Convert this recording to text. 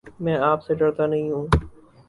میں آپ سے ڈرتا نہیں ہوں